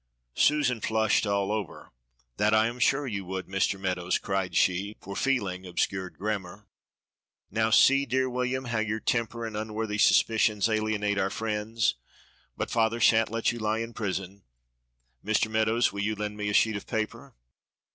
Susan flushed all over. "That I am sure you would, Mr. Meadows," cried she (for feeling obscured grammar). "Now see, dear William, how your temper and unworthy suspicions alienate our friends; but father shan't let you lie in prison. Mr. Meadows, will you lend me a sheet of paper?"